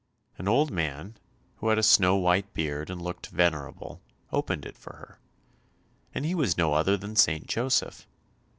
An old man, who had a snow white beard and looked venerable, opened it for her; and he was no other than St. Joseph.